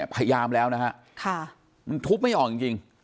พยายามแล้วนะฮะมันทุบไม่ออกจริง